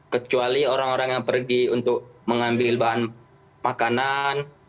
kecuali orang orang yang pergi untuk mengambil bahan makanan